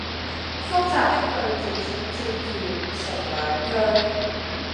複雜的句子請截斷成兩句